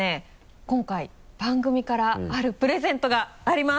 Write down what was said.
今回番組からあるプレゼントがあります。